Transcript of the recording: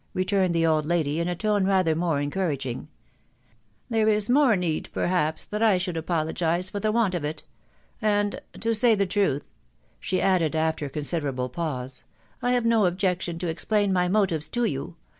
returned the old lady in a tone raCbex mote «u^^t^^%« «% 78 THE WIDOW BARKABY. " There is more need, perhaps, that I should apologise for the want of it ...• and .... to say truth," she added after a considerable pause, " I have no objection to explain my mo tive to you